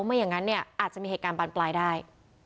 ไม่อย่างนั้นเนี่ยอาจจะมีเหตุการณ์บานปลายได้